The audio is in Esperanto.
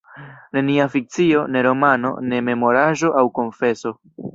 Nenia fikcio, ne romano, ne memoraĵo aŭ konfeso.